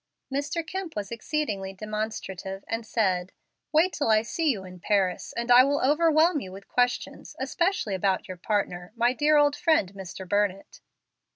Mr. Kemp was exceedingly demonstrative, and said, "Wait till I see you in Paris, and I will overwhelm you with questions, especially about your partner, my dear old friend, Mr. Burnett."